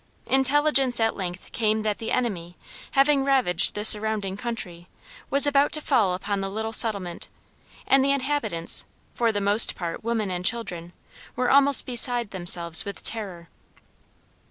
Intelligence at length came that the enemy, having ravaged the surrounding country, was about to fall upon the little settlement, and the inhabitants, for the most part women and children, were almost beside themselves with terror.